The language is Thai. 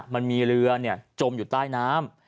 มันมีเรือจมอยู่ใต้น้ำ